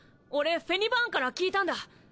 俺フェニバーンから聞いたんだ！